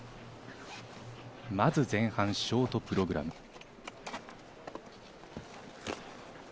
まず前半、ショートプログラム。